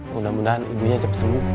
mudah mudahan ibunya cepat sembuh